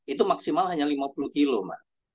itu maksimal hanya lima puluh km